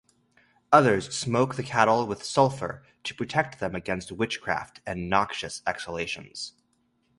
Others smoke the cattle with sulfur to protect them against witchcraft and noxious exhalations.